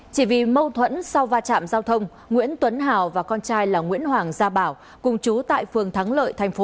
chỉ vì mâu thuẫn sau va chạm giao thông nguyễn tuấn hảo và con trai là nguyễn hoàng gia bảo cùng chú tại phường thắng lợi tp bôn mạc